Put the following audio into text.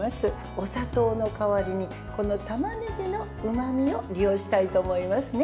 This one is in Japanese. お砂糖の代わりにたまねぎのうまみを利用したいと思いますね。